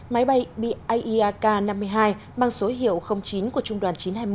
máy bay biak năm mươi hai bằng số hiệu chín của trung đoàn chín trăm hai mươi